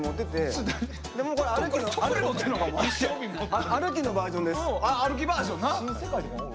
あ歩きバージョンな。